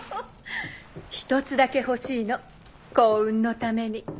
１つだけ欲しいの幸運のために。